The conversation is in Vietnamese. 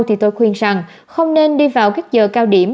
thì tôi khuyên rằng không nên đi vào các giờ cao điểm